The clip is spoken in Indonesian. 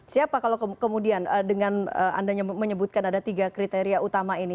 siapa kalau kemudian dengan anda menyebutkan ada tiga kriteria utama ini